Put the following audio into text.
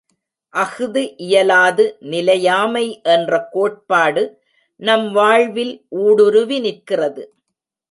அஃது இயலாது நிலையாமை என்ற கோட்பாடு நம் வாழ்வில் ஊடுருவி நிற்கிறது.